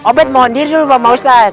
obed mohon diri dulu pak maustad